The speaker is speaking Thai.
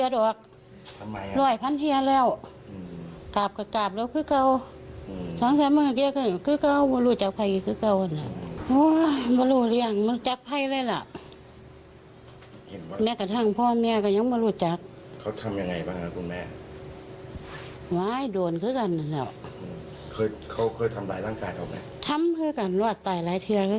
เดี๋ยวลองฟังดูนะฮะ